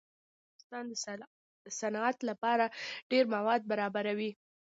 ځمکه د افغانستان د صنعت لپاره ډېر مواد برابروي.